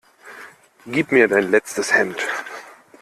Gib mir dein letztes Hemd!